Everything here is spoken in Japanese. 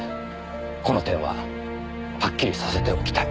この点ははっきりさせておきたい。